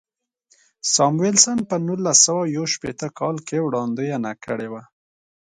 ساموېلسن په نولس سوه یو شپېته کال کې وړاندوینه کړې وه.